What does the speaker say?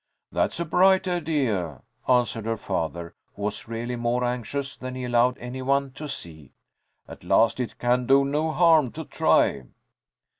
"That's a bright idea," answered her father, who was really more anxious than he allowed any one to see. "At least it can do no harm to try."